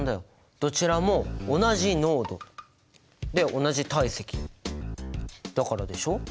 どちらも同じ濃度で同じ体積だからでしょ。